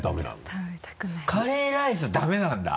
カレーライスダメなんだ。